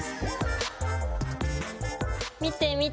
見て見て。